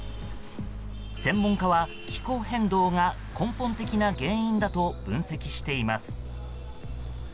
専門家は気候変動が根本的な原因だと分析しています。